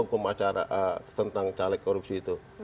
dibatalkan juga hukum acara tentang caleg korupsi itu